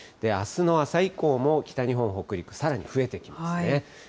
あすの朝以降も、北日本、北陸、さらに増えてきますね。